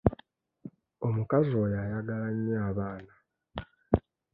Omukazi oyo ayagala nnyo abaana.